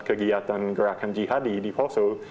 kegiatan gerakan jihadi di poso